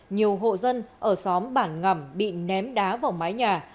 nhiều hộ dân ở xóm bản ngẩm bị ném đá vào mái nhà